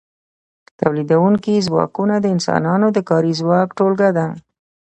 تولیدونکي ځواکونه د انسانانو د کاري ځواک ټولګه ده.